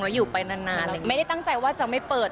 แล้วอยู่ไปนานไม่ได้ตั้งใจว่าจะไม่เปิด